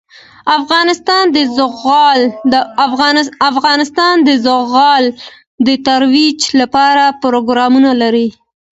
افغانستان د زغال د ترویج لپاره پروګرامونه لري.